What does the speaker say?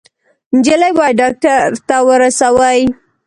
_نجلۍ بايد ډاکټر ته ورسوئ!